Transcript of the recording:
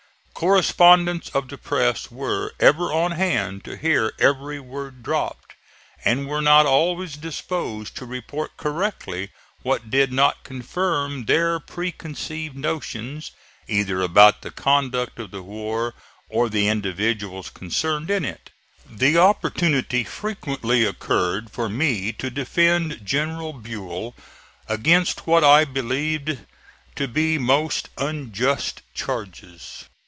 Correspondents of the press were ever on hand to hear every word dropped, and were not always disposed to report correctly what did not confirm their preconceived notions, either about the conduct of the war or the individuals concerned in it. The opportunity frequently occurred for me to defend General Buell against what I believed to be most unjust charges.